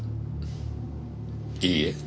いいえ。